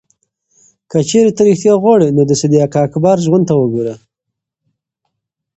که چېرې ته ریښتیا غواړې، نو د صدیق اکبر ژوند ته وګوره.